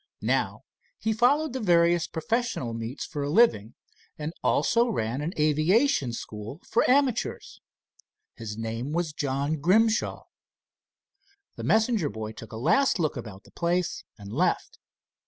Now he followed the various professional meets for a living, and also ran an aviation school for amateurs. His name was John Grimshaw. The messenger boy took a last look about the place and left.